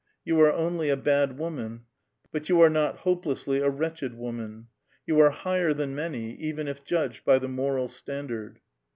You are only a bad woman, but you are not hope lesisly a wretched woman. You are higher than many, even if judged by the moral standard.